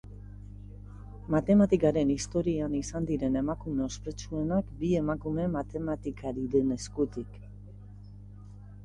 Matematikaren historian izan diren emakume ospetsuenak, bi emakume matematikariren eskutik.